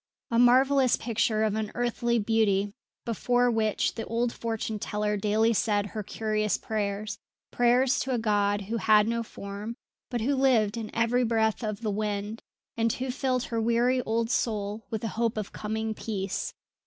A marvellous picture of unearthly beauty before which the old fortune teller daily said her curious prayers, prayers to a God who had no form, but who lived in every breath of the wind, and who filled her weary old soul with the hope of coming peace.